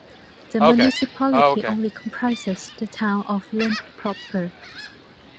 The municipality only comprises the town of Lint proper.